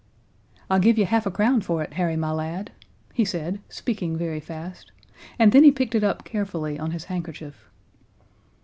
"I'll give you half a crown for it, Harry, my lad," he said, speaking very fast; and then he picked it up carefully on his handkerchief.